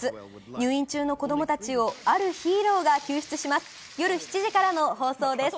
入院中の子どもたちを、あるヒーローが救出します。